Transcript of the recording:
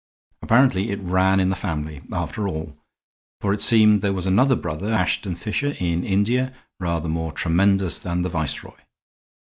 Apparently, it ran in the family, after all; for it seemed there was another brother, Ashton Fisher, in India, rather more tremendous than the Viceroy.